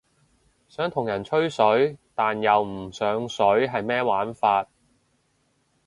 想同人吹水但又唔上水係咩玩法？